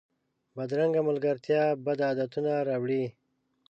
بدرنګه ملګرتیا بد عادتونه راوړي